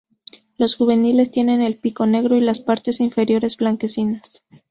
Los juveniles tienen el pico negro y las partes inferiores blanquecinas.